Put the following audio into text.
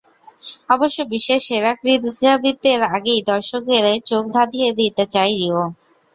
অবশ্য বিশ্বের সেরা ক্রীড়াবিদদের আগেই দর্শকদের চোখ ধাঁধিয়ে দিতে চায় রিও।